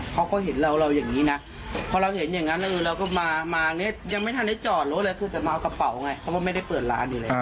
พอเราดับรถเรามองว่าทำไมคุณยืนซุ่มหน่อยเราเห็นเขาก็เห็นเราอย่างนี้นะ